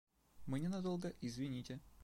Мы ненадолго, извините.